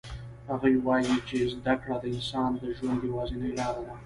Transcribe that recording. هغه وایي چې زده کړه د انسان د ژوند یوازینی لار ده